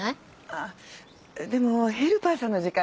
あっでもヘルパーさんの時間が。